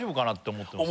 思ってます